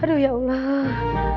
aduh ya allah